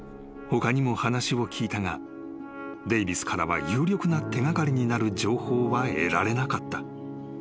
［他にも話を聞いたがデイヴィスからは有力な手掛かりになる情報は得られなかった］